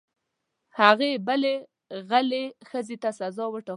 هغې بلې غلې ښځې ته یې سزا وټاکله.